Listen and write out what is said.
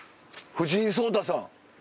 藤井聡太さん！